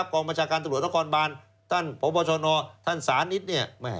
กองประชาการตรวจละครบานท่านพบชนท่านสานิศ